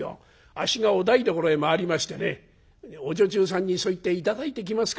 あっしがお台所へ回りましてねお女中さんにそう言って頂いてきますから」。